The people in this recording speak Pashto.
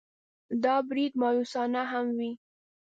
دا برید مأیوسانه هم وي.